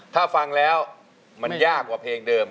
ถ้าฟังแล้วมันยากกว่าเพลงเดิม